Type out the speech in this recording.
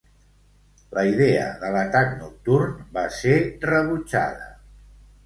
La idea de l'atac nocturn va ser rebutjada.